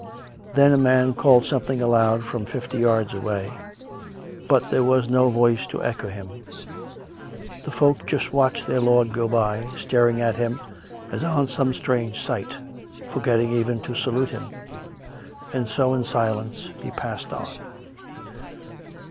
Then a man called something aloud from fifty yards away; but there was no voice to echo him. The folk just watched their lord go by, staring on him as on some strange sight, forgetting even to salute him. And so in silence he passed on.